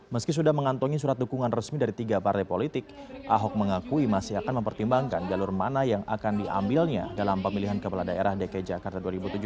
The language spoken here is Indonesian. meski sudah mengantongi surat dukungan resmi dari tiga partai politik ahok mengakui masih akan mempertimbangkan jalur mana yang akan diambilnya dalam pemilihan kepala daerah dki jakarta dua ribu tujuh belas